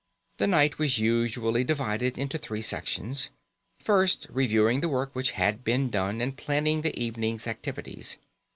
The night was usually divided into three sections. First, reviewing the work which had been done and planning the evening's activities.